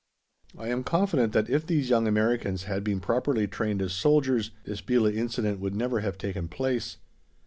I am confident that if these young Americans had been properly trained as soldiers, this Belah incident would never have taken place.